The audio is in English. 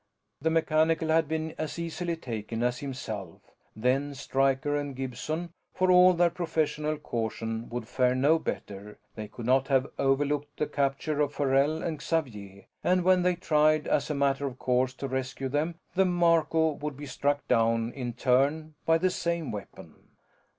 The mechanical had been as easily taken as himself, then. Stryker and Gibson, for all their professional caution, would fare no better they could not have overlooked the capture of Farrell and Xavier, and when they tried as a matter of course to rescue them the Marco would be struck down in turn by the same weapon.